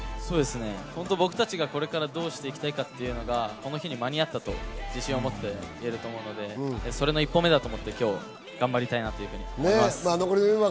僕たちがこれからどうしていきたいかというのが、この日に間に合ったと自信をもって言えると思うので、それの一歩目だと思って今日頑張りたいなと思います。